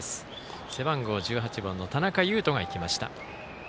背番号１８番の田中優飛が行きました。